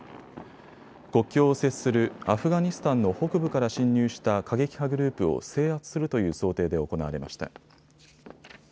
国境を接するアフガニスタンの北部から侵入した過激派グループを制圧するという想定で行われました。